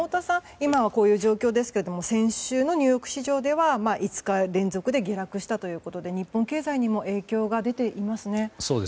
今はこういう状況ですが先週のニューヨーク市場では５日連続で下落したということで日本経済にも影響が出ていますね。